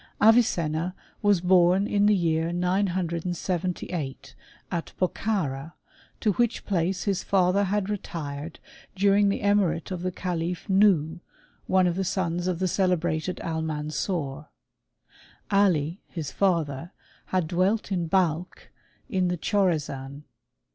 Avicenna was born in the year 978, at Bokhara, to which place his father had retired during the emirate of the calif Nuhh, one of the sons of the celebrated Almansor. Ali, his father, had dwelt in Balkh, in the Chorazan.